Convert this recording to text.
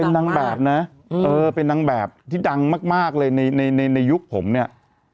เป็นนางแบบนะเออเป็นนางแบบที่ดังมากเลยในในยุคผมเนี่ย